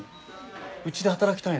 うちで働きたいの？